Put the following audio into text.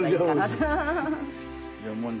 ハハハ。